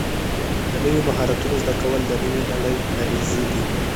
د نویو مهارتونو زده کول د نوې نړۍ اغېزې دي.